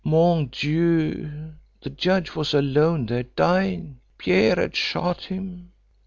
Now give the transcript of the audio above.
"Mon Dieu! the judge was alone there, dying. Pierre had shot him.